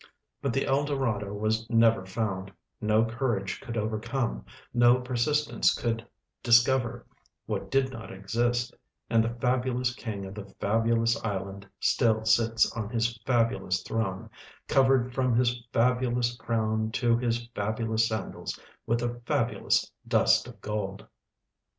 But the El Dorado was never found ; no courage could overcome, no persistence could dis cover, what did not exist, and the fabulous king of the fabulous island still sits on his fabulous throne, covered from his fabulous crown to his fabulous sandals with the fabulous dust of gold.